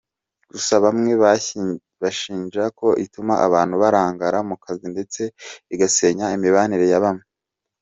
Gusa bamwe bayishinja ko ituma abantu barangara mu kazi ndetse igasenya imibanire ya bamwe.